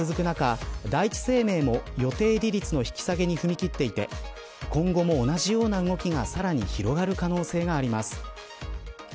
中第一生命も予定利率の引き下げに踏み切っていて今後も同じような動きがさらに広がる可能性があります。